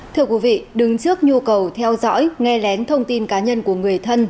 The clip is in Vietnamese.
thưa quý vị đứng trước nhu cầu theo dõi nghe lén thông tin cá nhân của người thân